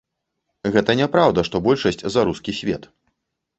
Гэта няпраўда, што большасць за рускі свет.